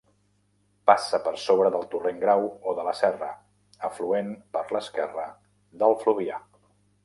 Passa per sobre del torrent Grau o de la serra, afluent per l'esquerra del Fluvià.